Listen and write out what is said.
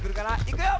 いくよ！